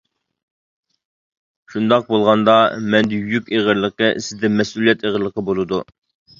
شۇنداق بولغاندا مەندە يۈك ئېغىرلىقى، سىزدە مەسئۇلىيەت ئېغىرلىقى بولىدۇ.